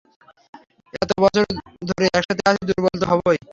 এত বছর ধরে একসাথে আছি দুর্বল তো হবই।